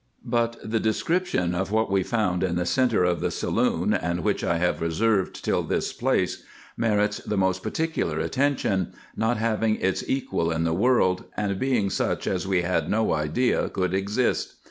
Eut the description of what we found in the centre of the saloon, and which I have reserved till this place, merits the most particular attention, not having its equal in the world, and being such as we had no idea could exist.